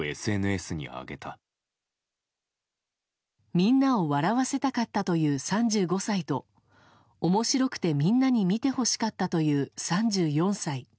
みんなを笑わせたかったという３５歳と面白くてみんなに見てほしかったという、３４歳。